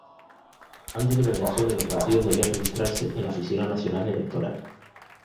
Antes de las elecciones, los partidos debían registrarse en la Oficina Nacional Electoral.